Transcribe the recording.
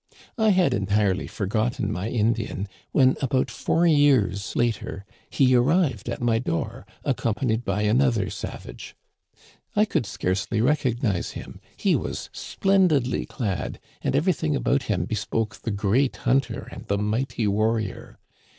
"I had entirely forgotten my Indian, when about four years later he arrived at my door, accompanied by another savage. I could scarcely recognize him. He was splendily clad, and everything about him bespoke the great hunter and the mighty warrior.